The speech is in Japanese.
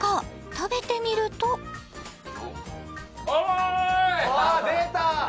食べてみると・出た！